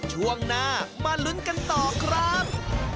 ช่วงหน้ามาลุ้นกันต่อครับ